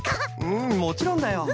うんもちろんだよ。